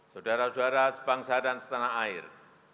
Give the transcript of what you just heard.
saudara saudara sebangsa dan setanah air